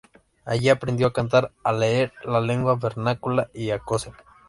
Allí aprendió a cantar, a leer la lengua vernácula y a coser.